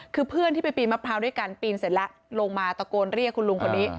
คือเพื่อนที่ไปปีนมะพร้าวด้วยกันปีนเสร็จแล้วลงมาตะโกนเรียกคุณลุงคนนี้